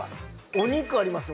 お肉ありますよ。